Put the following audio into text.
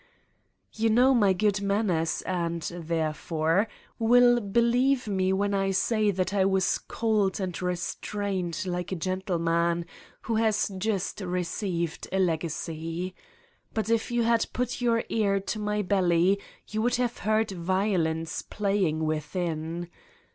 You know my good manners and, therefore, will believe me when I say that I was cold and re strained like a gentleman who has just received a legacy. But if you had put your ear to my belly you would have heard violins playing within.